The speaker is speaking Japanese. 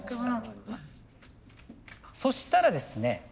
そしたらですね